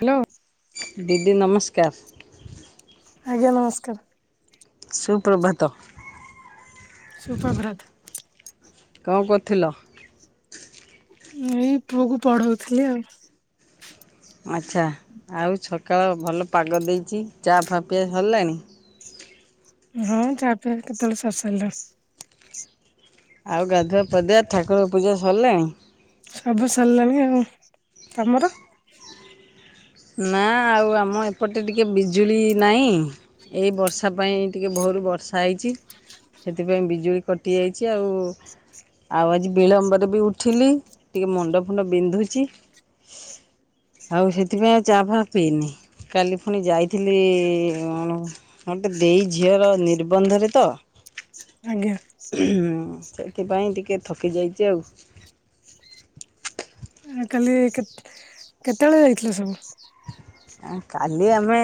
Hello. ଦିଦି ନମସ୍କାର୍। ଆଜ୍ଞା ନମସ୍କାର୍। ସୁପ୍ରଭାତ। ସୁପ୍ରଭରତ୍। କଣ କରୁଥିଲ? ଏଇ ପୁଅ କୁ ପଢ଼ୋଉଥିଲି ଆଉ। ଆଚ୍ଛା ଆଉ ସକାଳ ଭଲ ପାଗ ଦେଇଛି ଚା ଫା ପିଆ ସରିଲାଣି? ହଁ ଚା ପିଆ କେତେବେଳୁ ସରି ସାରିଲାଣି। ଆଉ ଗାଧୁଆ ପାଧୁଆ ଠାକୁର ପୂଜା ସରିଲାଣି? ସବୁ ସରିଲାଣି ଆଉ ତମର? ନା ଆଉ ଆମ ଏପଟେ ଟିକେ ବିଜୁଳି ନାହିଁ। ଏଇ ବର୍ଷା ପାଇଁ ଟିକେ ଭୋରୁ ବର୍ଷା ହେଇଛି। ସେଥିପାଇଁ ବିଜୁଳି କଟିଯାଇଛି ଆଉ। ଆଉ ଆଜି ବିଳମ୍ବରେ ବି ଉଠିଲି ଟିକେ ମୁଣ୍ଡ ଫୁଣ୍ଡ ବିନ୍ଧୁଛି। ଆଉ ସେଥିପାଇଁ ଆଉ ଚା ଫା ପିଇନି। କାଲି ପୁଣି ଯାଇଥିଲି ଅଣ ଗୋଟେ ଦେଇ ଝିଅର ନିର୍ବନ୍ଧରେ ତ। ଆଜ୍ଞା। ସେଥିପାଇଁ ଟିକେ ଥକି ଯାଇଛି ଆଉ। ଆଉ କାଲି କେତ୍ କେତେବେଳେ ଯାଇଥିଲ ସବୁ? କାଲି ଆମେ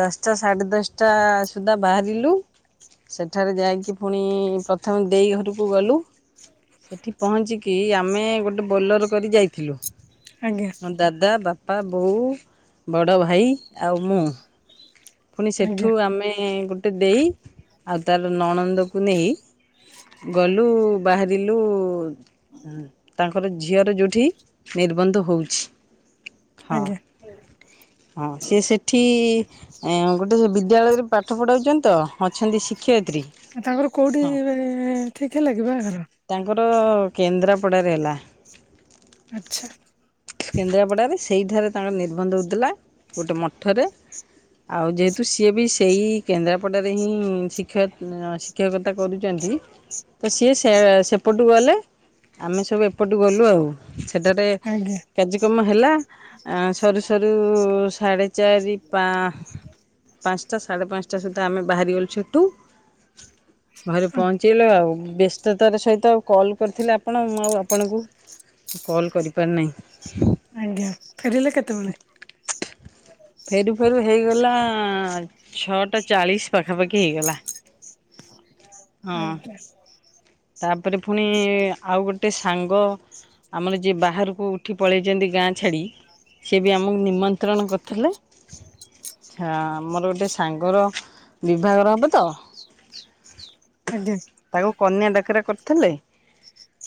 ଦଶଟା ସାଢ଼େ ଦଶଟା ସୁଦ୍ଧା ବାହାରିଲୁ। ସେଠାରେ ଯାଇକି ପୁଣି ପ୍ରଥମେ ଦେଇ ଘରକୁ ଗଲୁ। ସେଠି ପହଞ୍ଚିକି ଆମେ ଗୋଟେ ବୋଲର କରି ଯାଇଥିଲୁ। ଆଜ୍ଞା। ମୋ ଦାଦା ବାପା ବୋଉ। ବଡ଼ ଭାଇ ଆଉ ମୁଁ। ପୁଣି ଆଜ୍ଞା ସେଠୁ ଆମେ ଗୋଟେ ଦେଇ ଆଉ ତାର ନଣନ୍ଦକୁ ନେଇ ଗଲୁ ବାହାରିଲୁ। ହଁ ତାଙ୍କର ଝିଅର ଯେଉଁଠି ନିର୍ବନ୍ଧ ହେଉଛି। ହଁ ଆଜ୍ଞା। ହଁ ସିଏ ସେଠି ଗୋଟେ ସେ ବିଦ୍ୟାଳୟରେ ପାଠ ପଢ଼ାଉଛନ୍ତି ତ ଅଛନ୍ତି ଶିକ୍ଷୟତ୍ରୀ। ତାଙ୍କର କୋଉଠି ଠିକ ହେଲାକି ବାହାଘର? ତାଙ୍କର କେନ୍ଦ୍ରାପଡ଼ାରେ ହେଲା। ଆଛା। କେନ୍ଦ୍ରାପଡ଼ାରେ ସେଇଠାରେ ତାଙ୍କର ନିର୍ବନ୍ଧ ହେଉଥିଲା ଗୋଟେ ମଠରେ। ଆଉ ଯେହେତୁ ସିଏ ବି ସେଇ କେନ୍ଦ୍ରାପଡ଼ାରେ ହିଁ ଶିକ୍ଷ ଉଁ କ୍ଷୟ କଥା କରୁଛନ୍ତି। ତ ସିଏ ସେ ସେପଟୁ ଗଲେ ଆମେ ସବୁ ଏପଟୁ ଗଲୁ ଆଉ ସେଠାରେ ଆଜ୍ଞା କାର୍ଯ୍ୟକ୍ରମ ହେଲା ସରୁ ସରୁ ସାଢ଼େ ଚାରି ପା ପାଞ୍ଚଟା ସାଢ଼େ ପାଞ୍ଚଟା ସୁଦ୍ଧା ଆମେ ବାହାରିଗଲୁ ସେଠୁ। ଘରେ ପହଞ୍ଚେଇଲେ ଆଉ ବ୍ୟସ୍ତ ତ ତାର ସହିତ ଆଉ କଲ୍ କରିଥିଲେ ଆପଣ ମୁଁ ଆଉ ଆପଣଙ୍କୁ କଲ୍ କରିପାରିନାହିଁ। ହ ଆଜ୍ଞା ଫେରିଲେ କେତେବେଳେ? ଫେରୁ ଫେରୁ ହେଇଗଲା ଛଅଟା ଚାଳିଶ ପାଖାପାଖି ହେଇଗଲା। ହଁ ଆଜ୍ଞା। ତାପରେ ପୁଣି ଆଉ ଗୋଟେ ସାଙ୍ଗ ଆମର ଯିଏ ବାହାରକୁ ଉଠି ପଳେଇଛନ୍ତି ଗାଁ ଛାଡ଼ି ସିଏ ବି ଆମକୁ ନିମନ୍ତ ବିତରଣ କରିଥିଲେ। ହଁ ଆମର ଗୋଟେ ସାଙ୍ଗର ବିଭାଗର ହେବ ତ ଆଜ୍ଞା ଆଉ କନ୍ୟା ଡାକରା କରିଥିଲେ?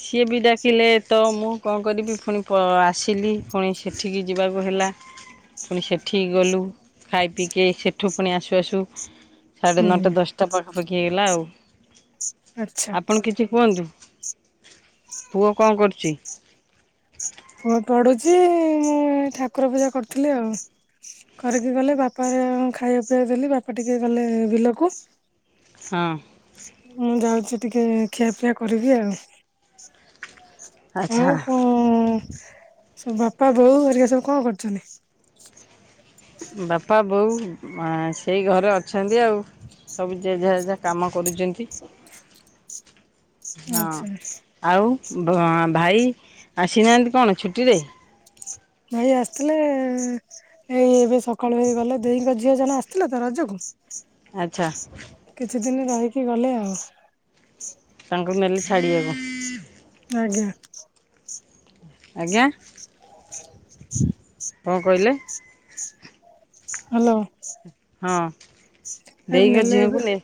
ସିଏ ବି ଡାକିଲେ ତ ମୁଁ କଣ କରିବି ପୁଣି ଆସିଲି ପୁଣି ସେଠିକି ଯିବାକୁ ହେଲା। ପୁଣି ସେଠିକି ଗଲୁ ଖାଇ ପିଇକି ସେଠୁ ପୁଣି ଆସୁ ଆସୁ ସାଢ଼େ ହୁଁ ନଅଟା ଦଶଟା ପାଖାପାଖି ହେଇଗଲା ଆଉ। ଆଛା। ଆପଣ କିଛି କୁହନ୍ତୁ ପୁଅ କଣ କରୁଛି? ପୁଅ ପଢୁଛି। ଠାକୁର ପୂଜା କରୁଥିଲି ଆଉ। କରିକି ଗଲେ ବାପ ହେରିକା ଖାଇବା ପିଇବା ଦେଲି ବାପା ଟିକେ ଗଲେ ବିଲକୁ। ହଁ। ମୁଁ ଯାଉଛି ଟିକେ ଖିଆପିଆ କରିବି ଆଉ। ଆଚ୍ଛା। ଆଉ କଣ ସବୁ ବାପା ବୋଉ ହେରିକା ସବୁ କଣ କରୁଛନ୍ତି? ବାପା ବୋଉ ଆ ସେଇ ଘରେ ଅଛନ୍ତି ଆଉ। ସବୁ ଜେଝା ଯେଝା କାମ କରୁଛନ୍ତି। [inaudible] ହଁ ଆଚ୍ଛା ଆଉ ବ ଭାଇ ଆସିନାହାନ୍ତି କଣ ଛୁଟିରେ? ଭାଇ ଆସିଥିଲେ ଏଇ ଏବେ ସକାଳୁ ହେଇ ଗଲେ ଦହିଙ୍କ ଝିଅ ଜଣେ ଆସିଥିଲେ ତ ରଜକୁ ଆଚ୍ଛା। କିଛି ଦିନ ରହିକି ଗଲେ ଆଉ। ତାଙ୍କୁ ନେଲେ ଛାଡ଼ିବାକୁ। ଆଜ୍ଞା। ଆଜ୍ଞା। [unintelligible] କଣ କହିଲେ? ହ୍ୟାଲୋ। ହଁ। ଏବେ ଦେଇଙ୍କ ଝିଅଙ୍କୁ ନେଲେବେ ନେ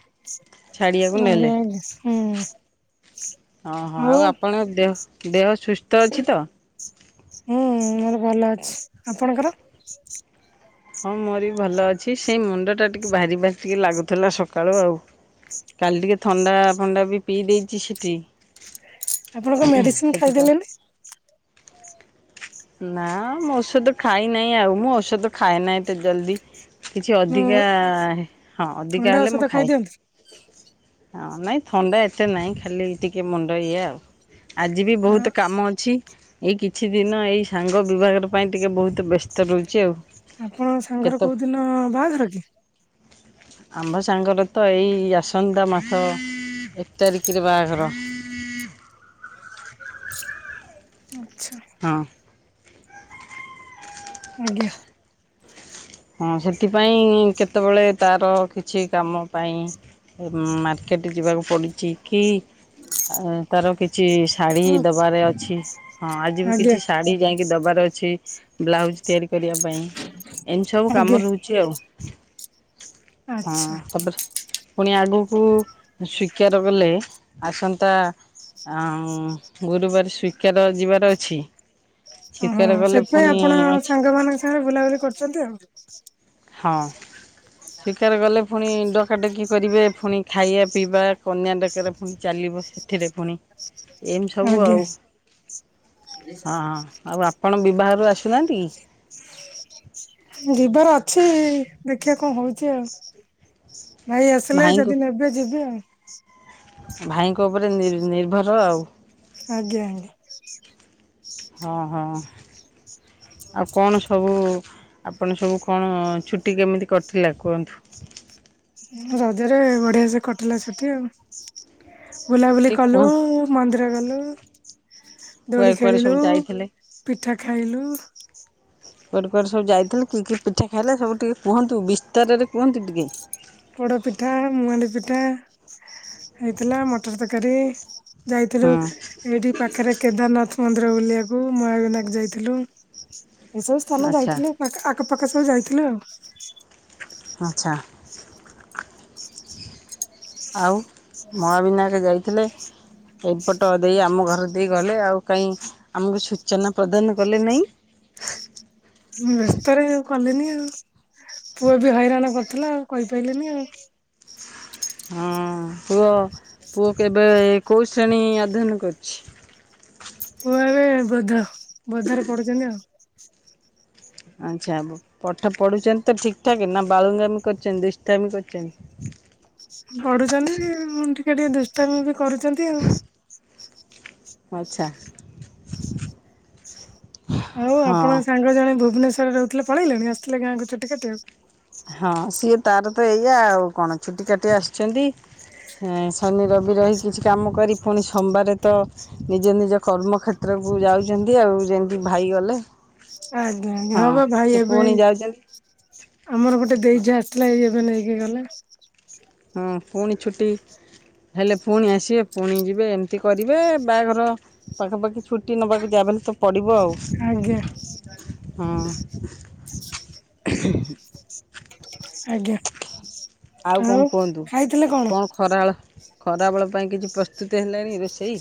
ଛାଡ଼ିବାକୁ ନେଲେ। [unintelligible] ହୁଁ। ହଁ ହଁ ଆଉ ଆପଣଙ୍କ ଦେହ ଦେହ ସୁସ୍ଥ ଅଛି ତ? ହୁଁ ମୋର ଭଲ ଅଛି। ଆପଣଙ୍କର? ହଁ ମୋରି ବି ଭଲ ଅଛି ସେଇ ମୁଣ୍ଡ ଟା ଟିକେ ଭାରି ଭାରି ଟିକେ ଲାଗୁଥିଲା ସକାଳୁ ଆଉ। କାଲି ଟିକେ ଥଣ୍ଡା ଫଣ୍ଡା ବି ପିଇ ଦେଇଛି ସେଠି। ଆପଣଙ୍କ ମେଡିସିନ ସେଥିପାଇଁ। ଖାଇଦେଲେନି। ନା ମୁଁ ଔଷଧ ଖାଇ ନାହିଁ ଆଉ ମୁଁ ଔଷଧ ଖାଏ ନାହିଁ ଏତେ ଜଲ୍ଦି। କିଛି ମୁଁ ଅଧିକା ହଁ ଅଧିକା ଥଣ୍ଡା ହେଲେ ଔଷଧ ମୁଁ ଖାଏ। ଖାଇଦିଅନ୍ତୁ ହଁ ନାଇଁ ଥଣ୍ଡା ଏତେ ନାହିଁ ଖାଲି ଟିକେ ମୁଣ୍ଡ ଇଏ ଆଉ। ଆଜି ବି ବହୁତ କାମ ଅଛି ଏଇ କିଛି ଦିନ ଏଇ ସାଙ୍ଗ ବିଭାଘର ପାଇଁ ଟିକେ ବହୁତ ବ୍ୟସ୍ତ ରହୁଛି ଆଉ। ଆପଣଙ୍କ ସାଙ୍ଗର କେତେ କୋଉ ଦିନ ବାହାଘର କି? ଆମ୍ଭ ସାଙ୍ଗର ତ ଏଇ ଆସନ୍ତା ମାସ ଏକ ତାରିଖରେ ବାହାଘର। ଆଚ୍ଛା। ହଁ। ଆଜ୍ଞା। ହଁ ସେଥିପାଇଁ କେତେବେଳେ ତାର କିଛି କାମ ପାଇଁ ମାର୍କେଟ ଯିବାକୁ ପଡୁଛି କି ଆ ତାର କିଛି ଶାଢ଼ୀ ହୁଁ ଦେବାରେ ଅଛି। ହଁ ଆଜି ବି ଆଜ୍ଞା କିଛି ଶାଢ଼ୀ ଯାଇକି ଦବାର ଅଛି ବ୍ଲାଉଜ ତିଆରି କରିବା ପାଇଁ। ଆଜ୍ଞା ଅଛି ଆଉ ଆଚ୍ଛା ହଁ ତାପରେ। ପୁଣି ଆଗକୁ ସ୍ୱୀକାର କଲେ ଆସନ୍ତା। ଆ ଗୁରୁବାର ସ୍ଵଇକାର ଯିବାର ଅଛି। ଓହୋ ଶିକାର କଲେ ସେଥିପାଇଁ ପୁଣି ଆପଣ ଅଛି ସାଙ୍ଗ ମାନଙ୍କ ସାଙ୍ଗରେ ବୁଲାବୁଲି କରୁଛନ୍ତି ଆଉ। ହଁ ସ୍ୱୀକାର ଗଲେ। ଫୁଣି ଡକାଡକି କରିବେ ଫୁଣି ଖାଇବା ପିଇବା କନ୍ୟା ଡକାରା ଫୁଣି ଚାଲିବ ସେଥିରେ ଫୁଣି। ଏମିତି ସବୁ ଆଜ୍ଞା ଆଉ। ହଁ ଆଉ ଆପଣ ବିବାହରୁ ଆସୁନାହାନ୍ତି। ଯିବାର ଅଛି ଦେଖିବା କଣ ହଉଛି ଆଉ। ଭାଇ ଆସିଲେ ଭାଇଙ୍କୁ ଯଦି ନେବେ ଯିବି ଆଉ। ଭାଇଙ୍କ ଉପରେ ନିର ନିର୍ଭର ଆଉ। ଆଜ୍ଞ ଆଜ୍ଞା। ହଁ ହଁ। ଆଉ କଣ ସବୁ ଆପଣ ସବୁ କଣ ଛୁଟି କେମିତି କଟିଲା କୁହନ୍ତୁ। ରଜରେ ବଢିଆ ସେ କଟିଲା ଛୁଟି ଆଉ ବୁଲାବୁଲି ଟିକେ କଲୁ। କୁହନ୍ତୁ ମନ୍ଦିର ଗଲୁ କୁଆଡେ ଦୋଳି କୁଆଡେ ସବୁ ଖେଳିଲୁ ଯାଇଥିଲେ? ପିଠା ଖାଇଲୁ। କୁଆଡ଼େ କୁଆଡ଼େ ସବୁଯାଇଥିଲ କି କି ପିଠା ଖାଇଲା ସବୁ ଟିକେ କୁହନ୍ତୁ ବିସ୍ତାରରେ କୁହନ୍ତୁ ଟିକେ। ପୋଡ଼ ପିଠା ମୁଆଁଡି ପିଠା ହେଇଥିଲା ମଟର ତରକାରୀ। ଯାଇଥିଲୁ ହଁ ଏଇଠି। ପାଖରେ କେଦାରନାଥ ମନ୍ଦିର ବୁଲିବାକୁ ମହାବିିନାୟକ ଯାଇଥିଲୁ। ଏସବୁ ସ୍ଥାନ ଆଚ୍ଛା ଯାଇଥିଲୁ ଆଖପାଖ ସବୁ ଯାଇଥିଲୁ ଆଉ। ଆଚ୍ଛା। ଆଉ ମହାବିନାୟକ ଯାଇଥିଲେ। ଏପଟ ଦେଇ ଆମ ଘରେ ଦେଇ ଗଲେ ଆଉ କାଇଁ। ଆମକୁ ସୂଚନା ପ୍ରଦାନ କଲେ ନାହିଁ। ବ୍ୟସ୍ତରେ ଆଉ କଲେନି ଆଉ ପୁଅ ବି ହଇରାଣ କରୁଥିଲା ଆଉ କହିପାରିଲିନି ଆଉ। ହଁ ପୁଅ ପୁଅ କେବେ କୋଉ ଶ୍ରେଣୀ ଅଧ୍ୟୟନ କରୁଛି। ପୁଅ ଏବେ ବୋଧ ବୋଧରେ ପଡୁଛନ୍ତି ଆଉ। ଆଚ୍ଛା ପଠ ପଢୁଛନ୍ତି ତ ଠିକ ଠାକ ନା ବାଳୁଙ୍ଗାମି ବି କରୁଛନ୍ତି ଦୁଷ୍ଠାମି ବି କରୁଛନ୍ତି। ପଢୁଛନ୍ତି ଟିକେ ଟିକେ ଦୁଷ୍ଟାମି ବି କରୁଛନ୍ତି ଆଉ। ଆଚ୍ଛା। ଆଉ ହଁ ଆପଣ ସାଙ୍ଗ ଜଣେ ଭୁବନେଶ୍ୱରରେ ରହୁଥିଲେ ପଳେଇଲେଣି ଆସିଥିଲେ ଗାଁକୁ ଛୁଟି କାଟିବାକୁ ଆଉ ହଁ ସିଏ ତାର ତ ଏଇଆ ଆଉ କଣ ଛୁଟି କାଟି ଆସିଛନ୍ତି ହେଁ ଶନି ରବି ରହି କିଛି କାମ କରି ପୁଣି ସୋମବାର ତ ନିଜ ନିଜ କର୍ମ କ୍ଷେତ୍ରକୁ ଯାଉଛନ୍ତି ଆଉ ଯେମିତି ଭାଇ ଗଲେ ଆଜ୍ଞା ହଁ ପା ଭାଇ ସେ ଏବେ ପୁଣି ଯାଉଛନ୍ତି ଆମର ଗୋଟେ ଦେଇ ଯାଆ ଆସିଥିଲା ଏଇ ଏବେ ନେଇକି ଗଲା ହଁ ପୁଣି ଛୁଟି ହେଲେ ପୁଣି ଆସିବେ ପୁଣି ଯିବେ ଏମିତି କରିବେ ବାହାଘର ପାଖାପାଖି ଛୁଟି ନେବାକୁ ଯାଏ ବଲେ ତ ପଡ଼ିବ ଆଜ୍ଞା ଆଉ ହଁ ଆଜ୍ଞା କଣ ଆଉ କୁହନ୍ତୁ ଖାଇଥିଲେ କଣ ଖରାବେଳ ଖରାବେଳ ପାଇଁ କିଛି ପ୍ରସ୍ତୁତି ହେଲାଣି, ରୋଷେଇ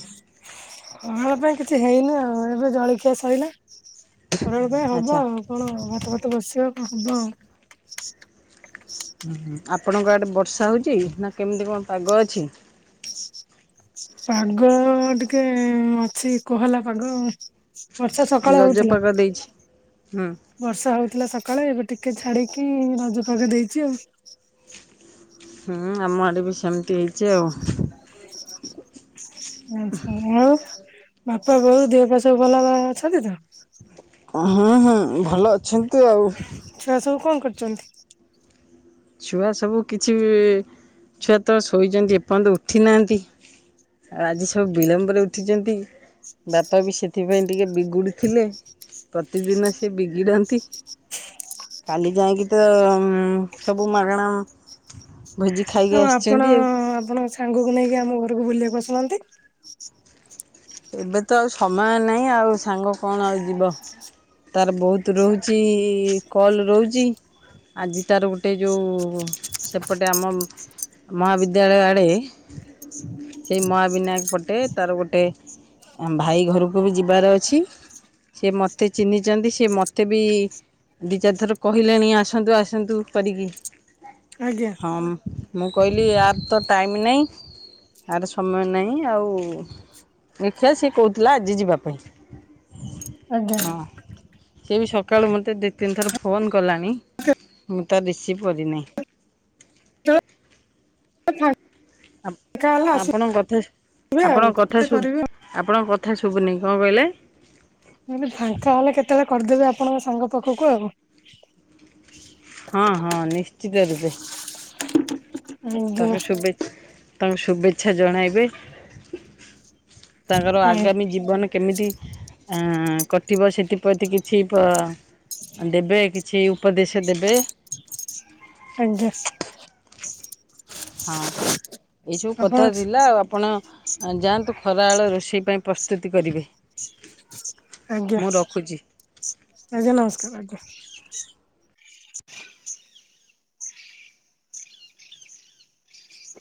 ଖରାବେଳ ପାଇଁ କିଛି ହେଇନି ଆଉ ଏବେ ଜଳଖିଆ ସଇଲା ଖରାବେଳ ପାଇଁ ହବ ଆଚ୍ଛା ଆଉ କଣ ଭାତ ଫାତ ବସିବ କଣ ହବ ଆଉ। ହୁଁ ହୁଁ ଆପଣଙ୍କ ଆଡେ ବର୍ଷା ହଉଛି ନା କେମିତି କଣ ପାଗ ଅଛି? ପାଗ ଟିକେ ଅଛି କୁହଲା ପାଗ ଆଉ। ବର୍ଷା ସକାଳେ ରଜ ହଉଥିଲା। ପାଗ ଦେଇଛି ହୁଁ ବର୍ଷା ହଉଥିଲା ସକାଳେ ଏବେ ଟିକେ ଛାଡିକି ରଜପାଗ ଦେଇଛି ଆଉ। ହୁଁ ଆମ ଆଡ଼େ ବି ସେମିତି ହେଇଛି ଆଉ। [inaudible] ଆଛା ଆଉ ବାପା ବୋଉ ଦେହ ପା ସବୁ ଭଲ ଭ ଅଛନ୍ତି ତ? ହୁଁ ହୁଁ ଭଲ ଅଛନ୍ତି ଆଉ। ଛୁଆ ସବୁ କଣ କରୁଛନ୍ତି। ଛୁଆ ସବୁ କିଛି ଛୁଆ ତ ଶୋଇଛନ୍ତି ଏପର୍ଯ୍ୟନ୍ତ ଉଠି ନାହାନ୍ତି। ଆଜି ସବୁ ବିଳମ୍ବରେ ଉଠିଛନ୍ତି। ବାପା ବି ସେଥିପାଇଁ ଟିକେ ବିଗୁଡି ଥିଲେ। ପ୍ରତିଦିନ ସେ ବିଗିଡନ୍ତି କାଲି ଯାଇକି ତ। ସବୁ ମାଗଣା। ଭୋଜି ଖାଇ ହଁ ଆପଣ ଆପଣଙ୍କ ସାଙ୍ଗକୁ ନେଇକି ଆମ ଘରକୁ ବୁଲିବାକୁ ଶୁଣନ୍ତି? ଏବେ ତ ଆଉ ସମୟ ନାହିଁ ଆଉ ସାଙ୍ଗ କଣ ଆଉ। ଯିବ [inaudible] ତାର ବହୁତ ରହୁଛି କଲ୍ ରହୁଛି ଆଜି ତାର ଗୋ ଟେ ଯେଉଁ ସେପଟେ ଆମ ମହାବିଦ୍ୟାଳୟ ଆଡ଼େ। [inaudible] ସେଇ ମହାବିନାୟକ ପଟେ ତାର ଗୋଟେ। ଆମ ଭାଇ ଘରକୁ ବି ଯିବାର ଅଛି ସେ ମୋତେ ଚିହ୍ନିଛନ୍ତି ସି ମୋତେ ବି। ଦି ଚାରିଥର କହିଲେଣି ଆସନ୍ତୁ ଆସନ୍ତୁ କରିକି। ଆଜ୍ଞା। ହଁ ମୁଁ କହିଲି ଆର ତ ଟାଇମ୍ ନାହିଁ ଆର ସମୟ ନାହିଁ ଆଉ। ଦେଖିବା ସିଏ କହୁଥିଲା ଆଜି ଯିବା ପାଇଁ ହଁ ସିଏ ବି ସ କାଳୁ ମୋତେ ଦି ତିନିଥର ଫୋନ୍ କଲାଣି ମୁଁ ତା ରିସିଭ୍ କରିନାହିଁ। [inaudible] ଆପଣଙ୍କ କଥା ଆପଣଙ୍କ କଥା ଶୁଭ [inaudible] ଆପଣଙ୍କ କଥା ଶୁଭୁନି କଣ କହିଲେ? ମୁଁ କହିଲି ଫାଙ୍କା ହେଲେ କେତେବେଳେ କରିଦେବେ ଆପଣଙ୍କ ସାଙ୍ଗ ପାଖକୁ ଆଉ। ହଁ ହଁ ନିଶ୍ଚିତ ରୂପେ। ଆଜ୍ଞା ତାଙ୍କୁ ଶୁଭେ ତାଙ୍କୁ ଶୁଭେଚ୍ଛା ଜଣାଇବେ। ତାଙ୍କର ଆଗାମୀ ଜୀବନ କେମିତି ଆଁ କଟିବ ସେଥିପ୍ରତି କିଛି ପ ଦେବେ କିଛି ଉପଦେଶ ଦେବେ। ଆଜ୍ଞା। ହଁ ଏଇସବୁ ଆପଣ କଥା ଥିଲା ଆଉ ଆପଣ ଯାଆନ୍ତୁ ଖରାବେେଳେ ରୋଷେଇ ପାଇଁ। ପ୍ରସ୍ତୁତି କରିବେ ଆଜ୍ଞା ମୁଁ ରଖୁଛି। ଆଜ୍ଞା ନମସ୍କାର ଆଜ୍ଞା।